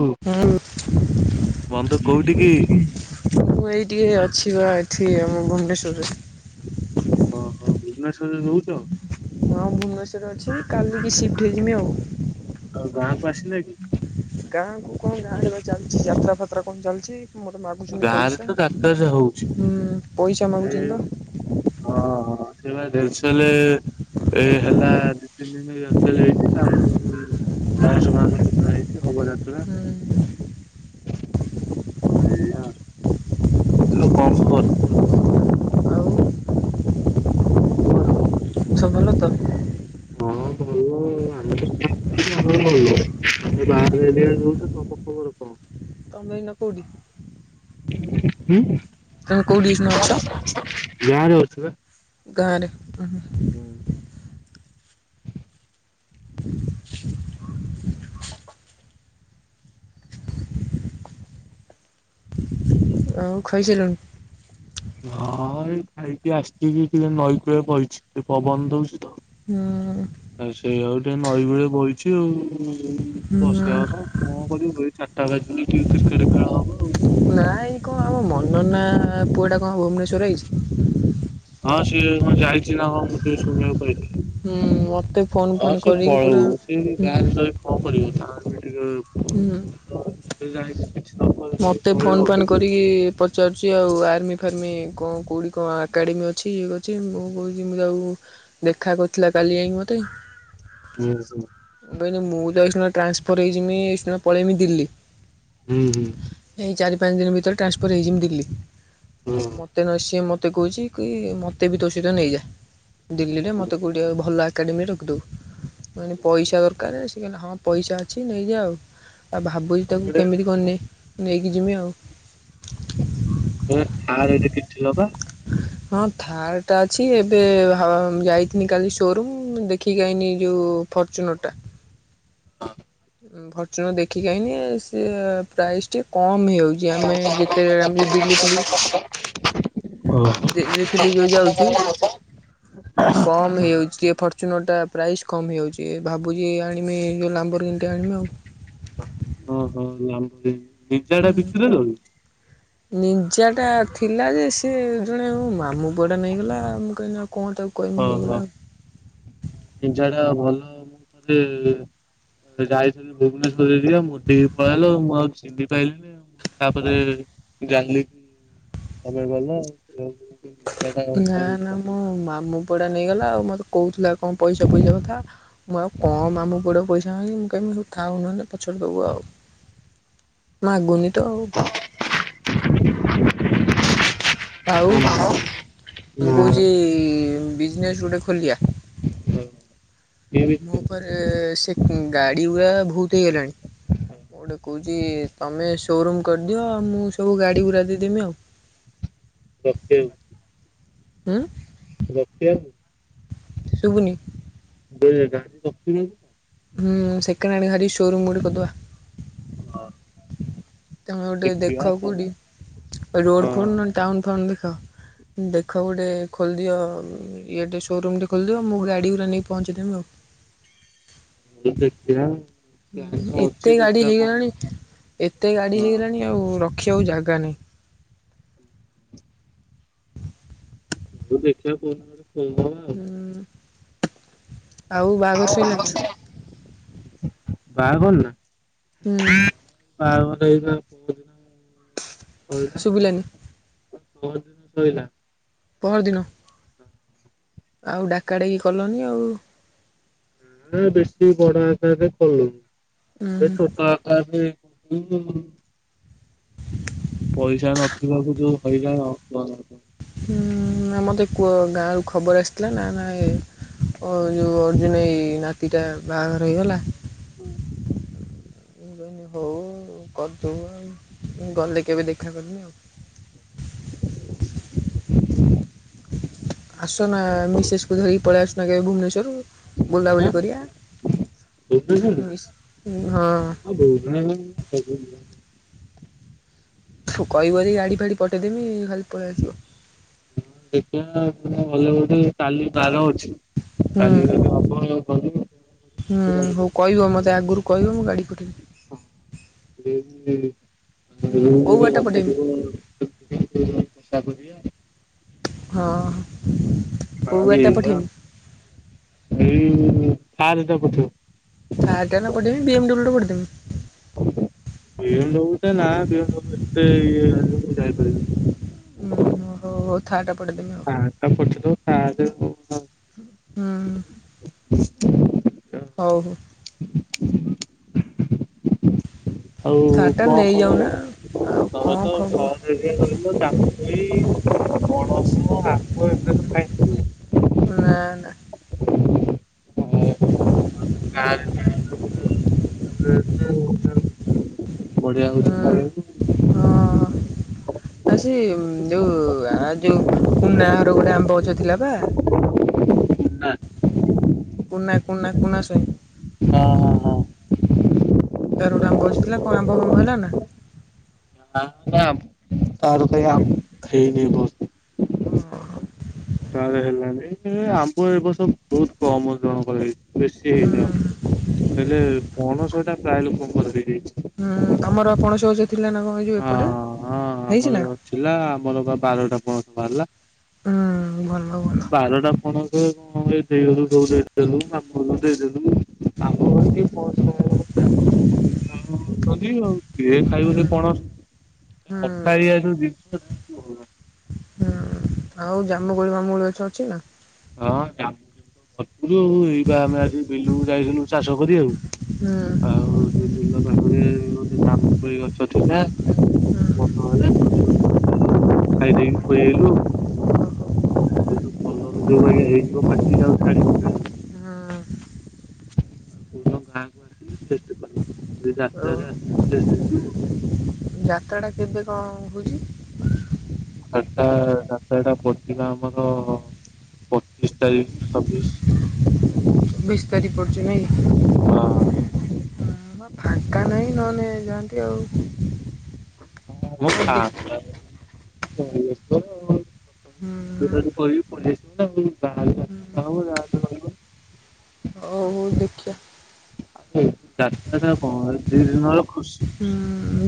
କୁ [unintelligible] ବନ୍ଧୁ [inaudible] କୋଉଠି କି? ଏଇ ଟିକେ ଅଛିିବା ଏଠି ଆମ ଭୁବନେଶ୍ୱରରେ। ହେଟି ରହୁଚ। ହଁ ମୁଁ ଭୁବନେଶ୍ୱରରେ ଅଛି କାଲିକି ସିଫ୍ଟ ଜିମି ଆଉ। ଆଉ ଗାଁ କୁ ଆସିିନ କି? ଗାଁ କୁ କଣ ଗାଁ ହେଲା ଚାଲିଛି ଯାତ୍ରା ଫାତ୍ରା କଣ ଚାଲିଛି। ମତେ ମାଗୁଛନ୍ତି ଗାଁରେ ପଇସା ତ ଯାତ୍ରା ହଉଛି ହୁ ପଇସା ଏ ମାଗୁଛନ୍ତି ପା। ହଁ ସେ ରିୟେଲସେଲ୍ ଏ ହେଲା ଦି ତିନି ଦିନ ରିୟେଲ ସେଲ୍ ହେଇଛି। ତାପରେ ବାଉଁଶ ଫାଉଁସ ପୋତା ହେଇଛି ହବ ଯାତ୍ରା। ହୁଁ [inaudible] ଏଇଆ। ଆଉ କଣ ଖବର? ଆଉ ସବୁ ଭଲ ତ [unintelligible] ତମେ ଏଇନା କୋଉଠି? ହୁଁ। କୋଉ ଡିସ୍ ନେ ଅଛ? ଗାଁରେ ଅଛିବା। ଘର୍ ଆହା ଆଉ ଖାଇସାଇଲଣି? ହଁ ଅ ଏଇ ଖାଇକି ଆସିଛି ଟିକେ ନଈକୂଳ ବଇଚି ଟିକେ ପବନ ଦଉଛି ତ। ହୁଁ। ସେଇ ଆଉ ଟିକେ ନଈକୂଳେ ବଇଚି ଆଉ। ହୁଁ ବସିଆ କଥା ଆଉ କଣ କରିବୁ ଚାରିଟା ବାଜିଲେ କ୍ରିକେଟ୍ ଖେଳ ହବ ଆଉ। ନନା ଆ ପୁଅଟା କଣ ଭୁବନେଶ୍ୱର ଅଇଚି? ହଁ ସିଏ କଣ ଯାଇଛି ନା କଣ ମୁଁ ଟିକେ ହୁଁ ଶୁଣିବାକୁ ମତେ ଫୋନ୍ ହଁ ଫାନ୍ ସେ କରିକି ପୁରା ପଳଉ ସେ ବି ହୁଁ ଗାଁରେ ରହିକି କଣ କରିବ ଯେ। [unintelligible] ମତେ ଫୋନ୍ ଫାନ୍ କରିକି ପଚାରୁଛି ଆଉ ଆ ର୍ମି ଫାର୍ମି କଣ କୋଉଠି କଣ ଏକାଡେମୀ ଅଛି ଇଏ ଅଛି ମୁଁ [unintelligible] ଦେଖା କରିଥିଲା କାଲି ଯାଇକି ମତେ। [unintelligible] କାଇଁ କି ନା [unintelligible] ଟ୍ରାନ୍ସଫର୍ ହୋଇଯମି ଏ ପଳେଇମି ଦିଲ୍ଲୀ। ହୁଁ ହୁଁ। ଏଇ ଚାରି ପାଞ୍ଚ ଦିନ ଭିତରେ ଟ୍ରାନସ୍ଫର ହେଇଯିମି ଦିଲ୍ଲୀ। ହଁ। ମତେ ନଇ ସିଏ ମତେ ମତେ କହୁଛି କି ମତେ ବି ତୋ ସହିତ ନେଇଯା। ଦିଲ୍ଲୀରେ ମତେ କୋଟେ ଭଲ ଆ କାଡିମି ରକିଦୋବୁ। ମାନେ ପଇସା ଦରକାରେ ଏସ୍ ହଁ ପଇସା ଅଛି ନେଇଯା ଆଉ ତା ଭାବୁଛି ତାକୁ କେମିତି କରିନି ନେଇକି ଜିମି ଆଉ। [inaudible] ହୁଁ ଆ। [unintelligible] ହଁ ଥାର୍ ଟା ଅଛି ଏବେ ହଁ ଯାଇଥିନି କାଲି ସୋରୁମ୍ ଦେଖିକି ଆଇନି ଯୋଉ ଫର୍ଚୁନର୍ ଟା। ହଁ। ଭର୍ଚୁନ ଦେଖିିକଆଇନି ସେ ପ୍ରାଇସ୍ ଟି କ ମି ଯାଇଛି ଆମେ ଯେତେଏଳେ ଆମେ ଯୋଉ ଦିଲିଫିଲି ଦିଲିଫିଲି ଯୋଉ ଯାଉଚୁ ତା କମ୍ ହେଇଯାଉଛି ଟିକେ ଫର୍ଚୁନ ଟା ପ୍ରାଇସ୍ କମ୍ ହେଇଯାଉଛି ଭାବୁଚି ଆଣିବି ଯଉଁ ଲାମ୍ବର ଇଣ୍ଡିଆ ଆଣିବି ଆଉ। ହଁ ହଁ ଲାମ୍ଇ ଡିଜା ଟା ବିକି ଦେଲ କି? ନିଁଜା ଟା ଥିଲା ଯେ ସିଏ ଜଣେ ମୋ ମାମୁଁ ପୁଅଟା ନେଇଗଲା ମୁଁ କା ଓ ହୋ ନିଜଟା ଭଲ ମୁଁ ଥରେଏ ଯାଇଥିଲି ଭୁବନେଶ୍୍ୱର ଏରିଆ ଯିବା ମୁଡି ହେଇ ପଇଲ ମୁଁ ଆଉ ଚିହ୍ନି ପାଇଲିନି ଆଉ - ତାପରେ ଏ [unintelligible] ଭଲ ଭଲ ଆଉ ନା ନା ମୋ ମାମୁଁ ପୁଅଟା ନେଇଗଲା ଆଉ ମୋତେ କହୁଥିଲା କଅଁ ପଇସା ଫଇସା କଥା ମୁଁ ଆଉ କଅଁ ମାମୁଁ ପୁଅଟାକୁ ପଇସା ନାଇଁ ମୁଁ କଇମି ହଉ ଥାଉ ନହଲେ ପଛରେ ଦବୁ ଆଉ ମାଗୁନି ଦଉ। ଆଉ ମୁଁ କହୁଚିଇ। ବିଜନେସ୍ ଗୋଟେ ଖୋଲିଆ। [unintelligible] ହଁ। ମୋ ପରେଏ ସେ-କ ଗାଡ଼ି ଗୁଡ଼ା ଭୁତ୍ ହେଇଗଲାଣି ମୁଁ ଗୋଟେ କହୁଚି ତମେ ସୋରୁମ୍ କରିଦିଅ ଅ ମୁଁ ସବୁ ଗାଡ଼ି ଗୁରା ଦେଇ ଦେମି ଆଉ। ରତେ। ଉଁ। ରଖିଆନି? ଶୁବୁନି। ବେଲେ ଗାଡି ରଖିବନିତ। ହୁଁ ସେକେଣ୍ଡ ହ୍ୟାଣ୍ଡ ଗାରି ସୋରୁମ୍ ଗୋଟେ କରିଦବା। ହଁ। ତମେ ଗୋଟେ ଦେଖ କୋଉଟି ରୋଡ୍ ଫୋଡ୍ ହଁ ନଲେ ଟାଉନ ଫୋଉନ୍ ଦେଖ ଦେଖ ଦେଖ ଗୋଟେ ଖୋଲଦିଅ ଇଏ ଟେ ସୋରୁମ୍ ଟେ ଖୋଲଦିଅ ମୁଁ ଗାଡ଼ି ଗୁରା ନେଇ ପହଞ୍ଚେଇଦେବି ଆଉ। ଦେଖିବା ପ୍ଲାନ୍ ତ ଏତେ ଅଛି ଗାଡି ଦେଖିବା କଅଁ ହେଇଗଲାଣି ହ ଏତେ ଗାଡି ହେଇଗଲାଣି ଆଉ ର ରଖିଆକୁ ଜାଗା ନାଇଁ। ମଉଁ ଦେଖିଆ କୋଉ ଦିନ ଗୋଟେ। ଖୋଲ୍ ଦବା ଆଉ। ହୁଁ ଆଉ ବାହାଘର ସଇଲାଣି ନା ବାହାଘର ନାଆଁ? ହୁଁ ବାହାଘ୍ [unintelligible] ନା ଆଉ। ଶୁଭିଲାନି। ବହେ ଦିନ ଶୋଇଲା। ପହ ଦିନ। ଆଉ ଡାକା ଡାକି କଲନି ଆଉ। ହଁ ବେଶି ବଡ଼ ଆ କରଲୁ। ଏ ଛୋଟା ଆକାର ରେ। [inaudible] ପଇସା ନଥିବାକୁ ଯୋଉ ହଇରାଣ କୁହନି କୁହନି। ଉଁ ନା ମୋତେ କୁଅ ଗାଁରୁ ଖବର ଆସିଥିଲା ନା ନା ଏ ଯୋଉ ଅର୍ଜୁନ ଏଇ ନାତିଟା ବାହାଘର ହେଇଗଲା। ହୁଁ। ହଉ କରିଥିବୁ ଆଉ, ଗଲେ କେବେ ଦେଖା କରିବି ଆଉ। [inaudible] ଆସୁନା ମିସେସ୍ କୁ ଧରିକି ପଳେଇ ଆସୁନା କେବେ ଭୁବନେଶ୍ୱର ଆଁ? ବୁଲାବୁଲି କରିବା ଭୁବନେଶ୍ୱରରେ? ହଁ। ଭୁବନେଶ୍ୱରରେ ଦେବେନି। ତୁ କହିବ ଏ ଗାଡି ଫାଡି ପଠେଇଦେମି ଖାଲି ପଳେଇ ଆସିବ। ହଁ ଦେଖିବା ଗଲେ ବୋଧେ। କାଲି ବାର ଅଛି ହୁଁ କାଲି ଯଦି ହବ। କରିବ। ହୁଁ ହଉ କହିବ ମତେ ଆଗରୁ କହିବ ମୁଁ ଗାଡି ପଠେଇବି। [inaudible] କେଉଁ ଗାଡ଼ିଟା ପଠେଇମି [inaudible] ହଁ। ଆଉ କଉ ଗାଡିଟା ଏଇଆ ପଠେଇବି। ଏଇ [inaudible] ଥାର ଟା ପଠେଇବୁ। ଥାର୍ଟା ନା ପଠେଇମି ବି ଏମ୍ ଡବ୍ଲ୍ୟୁଟା ପଠେଇଦେମି ବିଏମଡ଼ବୁଲ ନା ବିଏମଡ଼ବୁଲ ଟା ଏତେ ହେଇଗଲାଣି ଯାଇ ପାରିବିନି। ଉୋ ହୋ ଥ ଥାର ପଠେଇଦବୁ ଥାର ଆଉ ହଉ ହଉ [inaudible] ଆଉ ଥାର୍ଟା କଣ ଖବର ନେଇଯାଉନା ଆଉ କ'ଣ ତମେତ ଖବର ସହରରେ ରହିଲ ଜମୁ କୋଳି, ପଣସ। ଆମ୍ବ ଏବେ ତ ଖାଇନଥିବ? ନା ନା। ହ ଆମ ଗାଁ ରେ ତ ଯୋଉ। [inaudible] ବଢିଆ ହଉଛି ଖାଇବା ହଁ କୁ। ଆଉ ସେ ଯୋଉ ଯୋଉ କୁନା ଘର ଗୋଟେ ଆମ୍ବ ଗଛ ଥିଲା ପା। ନା? କୁନା କୁନା କୁନା ସ୍ୱାଇଁ। ହଁ ହଁ ହଁ। ତାର ଗୋଟେ ଆମ୍ବ ଥିଲା କଣ ଆମ୍ବ ଫମ୍ବ ହେଲା ନା। ନା ନା ତାର କ ଖାଇ ହେଇ ନେହି ତ ଓହୋ। ତାର ହେଲାନି ଏ ଆମ୍ବ ଏ ବର୍ଷବ ବହୁତ କମ ଜଣଙ୍କ ହେଇଛି। ବେଶୀ ହେଇନି ଆଉ ହେଲେ ପଣସଟା ପ୍ରାୟ ଲୋକ କର ହେଇଚି ହୁଁ ତମର ପଣସ ଗଛ ହଉଛି। ହଁ ହଁ ଆମର ନା? ଥିଲା ଆମର ବା ବାରଟା ପଣସ ବାହାରିଲା ହୁଁ ଭଲ ଭଲ ବାରଟା ପଣ ଏ ଦେଇହଲୁ ଯୋଉ ଦେଇଦେଲୁ ଆମଲ ଦେଇଦେଲୁ ଆମ କଣଜ ଅଛନ୍ତି ଆଉ କିଏ ଖାଇବ ହୁଁ ସେ କଣ? ହୁଁ କଥା ହେଇ [unintelligible] [unintelligible] ହୁଁ ଆଉ ଜାମୁ ଗୋଳି ମାମୁଳି ଗଛ ଅଛି ନା। ହଁ ଯା ଏଇ ବା ଆମେ ଆଜି ବିଲକୁ ଯାଇଥିଲୁ ଚାଷ କରି ବାକୁ ହୁଁ ହୁଁ ଆଉ ଆଉ ସେ ବିଲ ପାଖରେ ଗୋଟେ ଧାମ ଗଛ ଥିଲା ଭଲ ହେ ଖାଇ ଦେଇେଇକି ଆଇଲୁ ସେ ପଲର ଦୁ ବାଜ ହେଇଯିବ କାଟି ଯଉ ଛାଡିବନି ଆଉ ଆଉ କ ଗାଁକୁ ଆସିଲେେଷ୍ଟିବ ଯ ଓ ରାସ୍ତ ଆସିଲେଷ୍ଟ ହେଇଯିବ। ପତ ଟା କେବେ କଣ ହଉଛି। ଚଟା ରାାତଟା ପଡିଥିଲା ଆମର ପଚିଶ ତାରିଖ ଛବିଶ ବିସ୍ତାରି ପଡ଼ଛିୁ ନହିଁ। ହଁ। ହ ଫାଙ୍କା ନାହିଁ ନ ନେ ଯାଆନ୍ତି ଆଉ। ହଁ। [unintelligible] ତୁ ହଉ ଦେଖି ତାକୁ ହୁଁ କହିବୁ ପୋଲିସ [unintelligible] [unintelligible] ହଉ ଦେଖିଆ ଆଉ ଯାତ୍ରାଟା [unintelligible] ଖୁସି ହୁଁ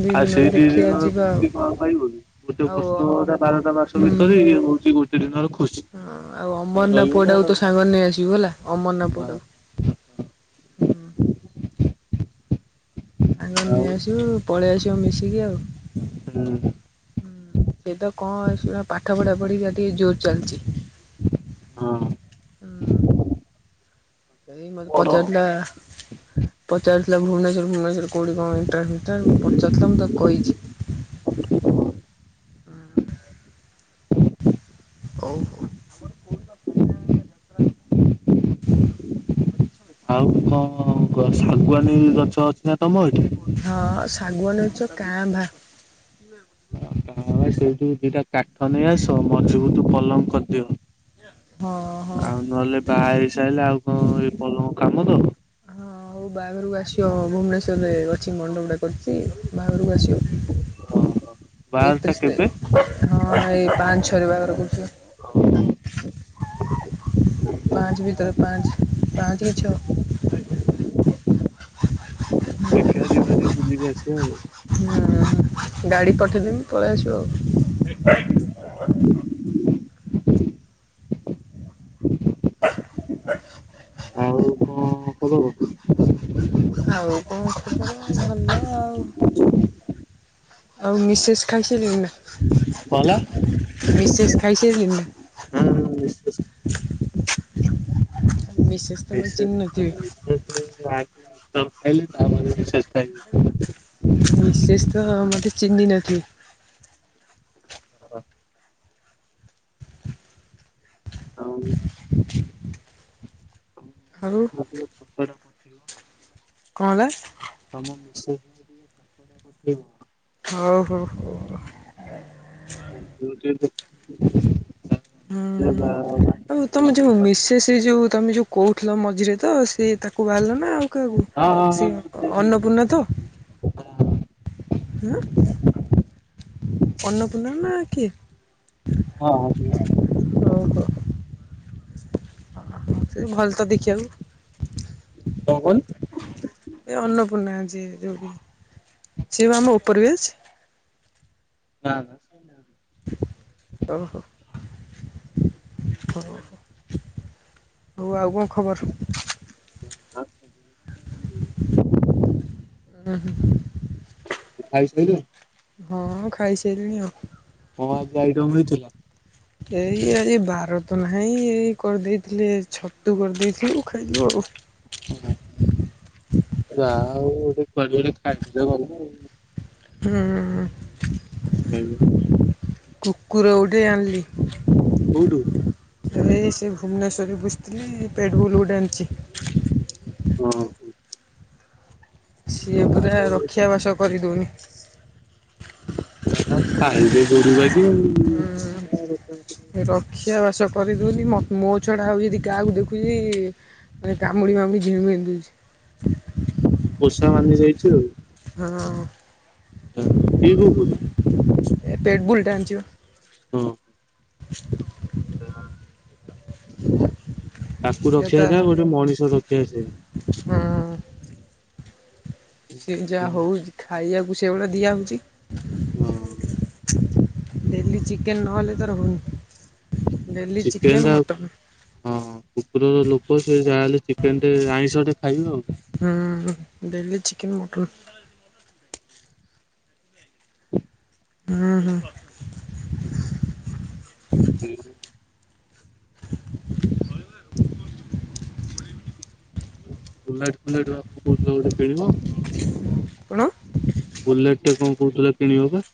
ଦି ଆଉ ଦିନ ସେଇ ଦି ଦେଖିବା ଦିନର ଯିବା ଖୁସି ଆଉ। କଣ ପାଇବନ ଗୋଟେ ଆଉ ଅମ୍ ବର୍ଷଟା ବାରଟା ମାସ ହୁଁ ଭିତରେ ଇଏ ହଉଛି ଗୋଟେ ଦିନର ଖୁସି ହଁ ଆଉ ଅମରନା ରହିବ ନା ଆଉ ପୁଅଟାକୁ ତୋ ସାଙ୍ଗରେ ନେଇ ଆସିବୁ ହେଲା ଅମରନା ପୁଅଟାକୁ। ହଁ ହଁ। ହୁଁ ଆଉ ଯାଇକି ନେଇ ଆସିବୁ ପଳେଇ ଆସୁ ଚ ମିଶିକି ଆଉ। ହୁଁ। ସେଏ ତ କଣ ଶ ପାଠ ପଢା ପଢିକି ଟିକେ ଜୋର ଚାଲିଚି। ହୁଁ। ଏ ମୋତେ ପଚାରିଲା ପଚାର ଭୁବନେଶ୍ୱର ଭୁନେଶ୍ୱର କୋଉଠି କଣ? ଟା ହେଇଟା ମୁଁ ତାକୁ କହିଚି ହଉ। ଆଉ କଣ ଗଛ ଶାଗୁଆନୀ ଗଛ ଅଛି ନା ତମ ଏଠି। ହଁ ସାଗୁଆନୀ ଗଛ କାଁ ବା। ହଁ ସେଇଠୁ ଦିଟା କାଠ ନେଇ ଆସ ମଜୁବୁତୁ ପଲଙ୍କ କରିଦିଅ। ହଁ ହଁ। ଆଉ ନହେଲେ ବାହାହେଇ ସାରିଲେ ଆଉ। ହଁ ଏ ପଲଙ୍କ କାମ ତ। ହଁ ହଉ ବାହାଘରକୁ ଆସିବ ଭୁବନେଶ୍ୱର ରେ ଅଛି ମଣ୍ଡପ ଟେ କରୁଛି। ବାହାଘରକୁ ଆସିବ ବାହାଘରଟା ଏକତିରିଶ କେବେ? ତାରିଖ ହଁ ଏଇ ପାଞ୍ଚ ଛଅରେ ବାହାଘର କରୁଛି। ପାଞ୍ଚ ଭିତରେ ପାଞ୍ଚ ପାଞ୍ଚରେ ଛଅ। [inaudible] ଦିଦି ଆସୁ ଆଉ। ହୁଁ ଗାଡି ପଠେଇଦମି ପଳେଇ ଆସିବ ଆଉ। [inaudible] ଆଉ କଣ ଖବର। ଆଉ କଣ ଖବର ଭଲ ଆଉ। ଆଉ ମିସେସ୍ ଖାଇସାରିଲେଣି ନା। [unintelligible] ମିସେସ୍ ଖାଇସାରିଲେଣି ନା ମୁଁ ଖାଇଲି ତାପରେ ମିସେସ୍ ତ ମୋତେ ଚିହ୍ନି ନଥିବେ ମୋ ମିସେସ୍ ଖାଇଲେ। ମିସେସ୍ ତ ମତେ ଚିହ୍ନି ନଥିବେ। ହଁ। ହଉ। ଆଉ [unintelligible] [inaudible] କଣ ରା। [unintelligible] ହଉ ହୋ। ମୁଁ [inaudible] ହୁଁ ଦେଖିଲେ ବା ଭାତ ହଁ ଆଉ ତମେ ହଜମ ଯୋଉ ହବନି। ମିସେସ୍ ଯୋଉ ତମେ ଯୋଉ। କହୁଥିଲ ମଝିରେ ତ ସେଏ ତାକୁ ବାହାହେଲା। ନା ଆଉ କାହାକୁ ହଁ ହଁ ସେ ହଁ ଅନ୍ନପୂର୍ଣ୍ଣା ତ। ହଁ ଅନ୍ନପୂର୍ଣ୍ଣା ନା କିଏ। ହଁ ସେ ଓହୋ ସେ ଭଲ ତ ଦେଖିବାକୁ। କଣ କହିଲୁ। ଏ ଅନ୍ନପୂର୍ଣ୍ଣା ଯେ ଯେଉଠି ସିଏ ବପା ଆମ ଉପର ବ୍ୟଚ୍। ଭାକ୍। ହଉ ହଉ ଆ କଣ କୁହ। ଖବର। [unintelligible] ତୁ ଖାଇ ସାଇଲୁଣି। ହଁ, ଖାଇସାରିଲଣି ଆଉ। କ ଆଜି ଆଇଟମ ହେଇଥିଲା। ଏଇ ଆଜି ବାର ତ ନାହିଁ ଏଇ କରିଦେଇଥିଲେ, ଛତୁ କରିଦେଇଥିଲୁ ଖାଇଯୁ ଆଉ। [inaudible] ଯା ହଉ ଯୁଆଡେ ଗୋଟେ ଖାଇଦେଲେ ହେଲା ହୁଁ [unintelligible] କୁକୁର ଓଠେ ଆିଲ। କୋଉଠୁ? ର ଭୁବନେଶ୍ୱଵରୀ ବୁ। ପେଟବୁଲୁଡ଼ଛି ଆନୀଚି ହଁ ହ ସିଏ ପୁରା ରକ୍ଷା ବାସ କରିଦଉନି ରକ୍ଷା ବାସ [unintelligible] କରିଦଉନି ମୋ ଛୁଡା ଆଉ ଯଦି କାହାକୁ ଦେଖୁଛି। ମାନେ କାମୁଡି ମାମୁଡି ଝିମ ପିନ୍ଉଛି। ଷ ମାନି ଦେଇଛୁ। ହଁ କି କୁକୁର ଏ ପେଟ ବୁଲଟ ଆଛି। ହଁ ଅ [inaudible] [inaudible] ତାକୁ ସେ ତା ରଖିବା ଯଉ ଗୋଟେ ମଣିଷ ରଖିସ ହଁ ସେ ଯାହା ହଉଛି ଖାଇବାକୁ। ସେଗୁଡ଼ଆ ଦିଆହେଉଛି। ହଁ ଦେଲି ଚିକେନ ନହଲେ ତାର ହଉନି। ଡେଲି ଚିକେନ ମଟନ ଟା ହଁ କୁକୁରର ଲୋକ ସେ ଯାହାହେଲେ। ଚିକେନ ଟେ ଆଇଁଷ ଟ ଖାଇବୁ ଆଉ। ହୁଁ, ଡେଲି ଚିକେନ ମଟନ୍ ହୁଁ ହୁଁ [inaudible] ହୁଁ [inaudible] ବଲାଟ। କହୁଦିନ ଗୋଟେ କିଣିବ। [inaudible] କଣ? ବୁଲେଟ ଟେ କଣ କରୁଥିଲା କିଣିବ ବା?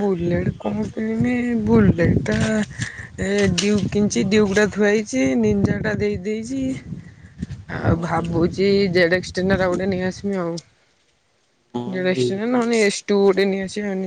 ବୁଲେଟ୍ କଣ କରମି ବୁଲେଟା ଏ ଡିଉଟା କିଣିଛି। ଡିଉଟା ଥୁଆଇଛି ନିଜାଟା ଦେଇ ଦେଇେଇଛି। ଆଉ ହଁ ଭାବୁଛି ଜେଡଏକ୍ସନାର ଗୋଟେ ନେଇ ଆସିମି ଆଉ। ହଁ ଜେଡକ୍ସ ଏଇ ନ ହେନେ ସ୍ ଟୁ ଗୋଟେ ନେ ଆସିବି ନେ